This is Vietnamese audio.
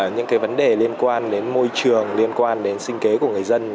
những vấn đề liên quan đến môi trường liên quan đến sinh kế của người dân